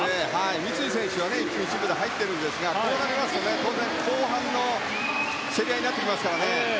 三井選手は１分１秒で入っているんですがこうなりますと、当然後半の競り合いになってきます。